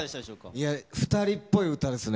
いや、２人っぽい歌ですね。